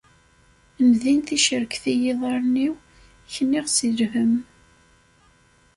Ndin ticerket i yiḍarren-iw, kniɣ si lhemm.